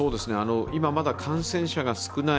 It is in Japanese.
まだ感染者が少ない